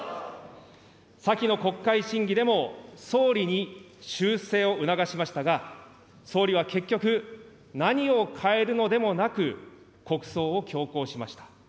先の国会審議でも総理に修正を促しましたが、総理は結局、何を変えるのでもなく、国葬を強行しました。